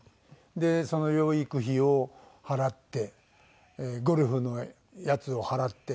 でその養育費を払ってゴルフのやつを払って。